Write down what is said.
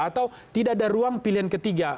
atau tidak ada ruang pilihan ketiga